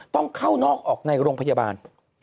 ต้องเข้านอกออกในโรงพยาบาล